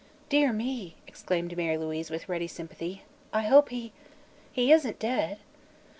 "Dear me!" exclaimed Mary Louise, with ready sympathy; "I hope he he isn't dead?"